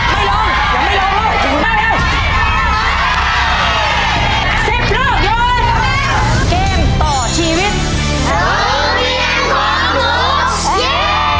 โจทย์สำนักเรียนของหนูสักครู่เดียว